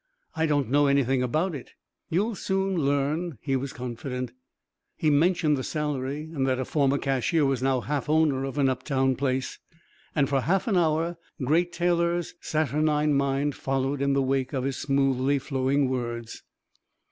"I don't know anything about it." "You'll soon learn," he was confident. He mentioned the salary, and that a former cashier was now half owner of an uptown place. And for half an hour Great Taylor's saturnine mind followed in the wake of his smoothly flowing words.